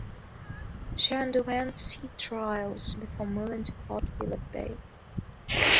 She underwent sea trials before moving to Port Phillip Bay.